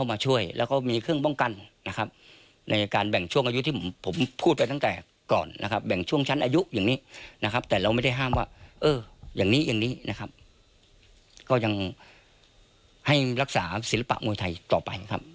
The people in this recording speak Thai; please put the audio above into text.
เพื่อให้รักษาศิลปะมวยไทยต่อไปครับ